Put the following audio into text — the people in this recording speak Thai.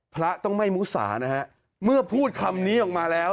พระต้องไม่มุสานะฮะเมื่อพูดคำนี้ออกมาแล้ว